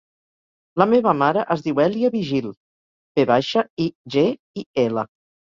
La meva mare es diu Èlia Vigil: ve baixa, i, ge, i, ela.